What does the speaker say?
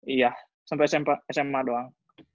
iya sampai sma doang